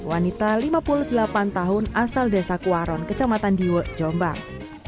wanita lima puluh delapan tahun asal desa kuaron kecamatan diwe jombang